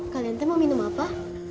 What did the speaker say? kalian mau minum apa